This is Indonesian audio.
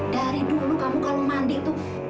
dari dulu kamu kalau mandi tuh